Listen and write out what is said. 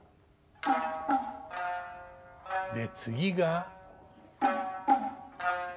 で次が。